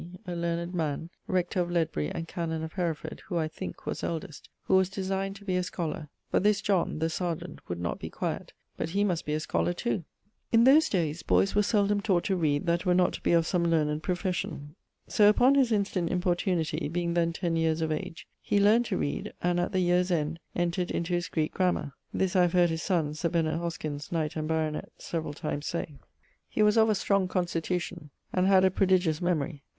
a learned man, rector of Ledbury and canon of Hereford, who, I thinke, was eldest, who was designed to be a scholar, but this John (the serjeant) would not be quiet, but he must be a scholar too. In those dayes boyes were seldome taught to read that were not to be of some learned profession. So, upon his instant importunity, being then ten yeares of age, he learned to reade, and, at the yeare's end, entred into his Greeke grammar. This I have heard his sonne, Sir Benet Hoskyns, knight and baronett, severall times say. He was of a strong constitution, and had a prodigious memorie.